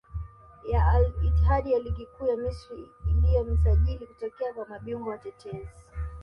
ya Al Ittihad ya Ligi Kuu ya Misri iliyo msajili kutokea kwa mabingwa watetezi